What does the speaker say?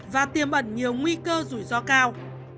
và tiêm ẩn nhiều nguy cơ rủi ro cao